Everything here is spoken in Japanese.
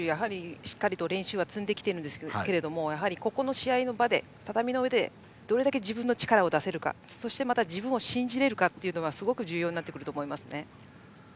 しっかり練習は積んできていますがここの試合の場で、畳の上でどれだけ自分の力を出せるかそして自分を信じられるかがすごく重要になってくると思います。